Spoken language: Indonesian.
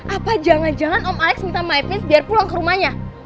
apa jangan jangan om alex minta mypean biar pulang ke rumahnya